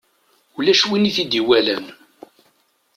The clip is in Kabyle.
Ulac win i t-id-iwalan.